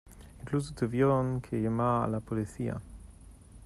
Incluso tuvieron que llamar a la policía.